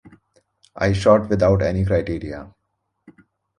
I shot without any criteria.